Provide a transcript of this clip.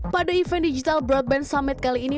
pada event digital broadband summit kali ini